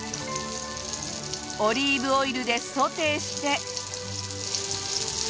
オリーブオイルでソテーして。